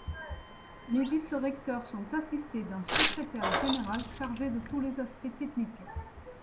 Les vice-recteurs sont assistés d'un secrétaire général chargé de tous les aspects techniques.